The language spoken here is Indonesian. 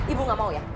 ibu gak mau ya